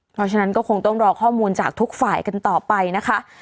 เพราะฉะนั้นก็คงต้องรอข้อมูลจากทุกฝ่ายกันต่อไปนะคะ